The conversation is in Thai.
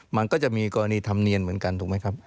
มันก็จะมีกรณีธรรมเนียนเหมือนกันถูกไหมครับ